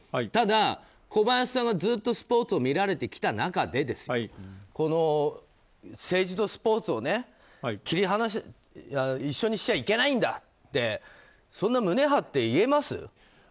ただ、小林さんがずっとスポーツを見られてきた中で政治とスポーツを一緒にしちゃいけないんだってそんな胸張って言えます？